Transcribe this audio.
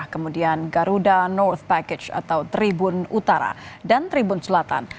kemudian garuda north package atau tribun utara dan tribun selatan